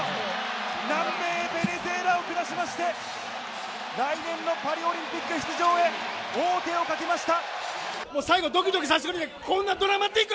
南米・ベネズエラを下しまして、来年のパリオリンピック出場へ王手をかけました！